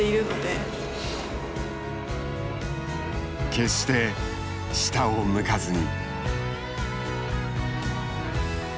決して下を向かずに。